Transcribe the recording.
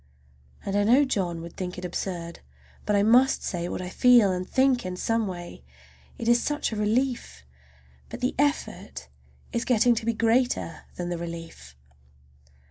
And I know John would think it absurd. But I must say what I feel and think in some way—it is such a relief! But the effort is getting to be greater than the relief.